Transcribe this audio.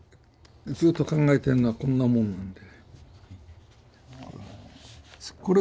ずっと考えてんのはこんなもんなんで。